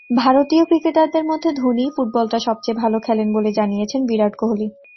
ভারতীয় ক্রিকেটারদের মধ্যে ধোনিই ফুটবলটা সবচেয়ে ভালো খেলেন বলে জানিয়েছেন বিরাট কোহলি।